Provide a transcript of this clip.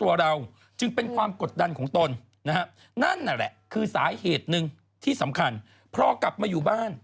ตัวเราจึงเป็นความกดดันของตนนั้นนั่นอ่ะแหละคือสาเหตุนึงที่สำคัญพ่อกลับมา